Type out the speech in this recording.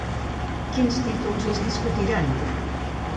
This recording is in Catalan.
Quins títols es discutiran?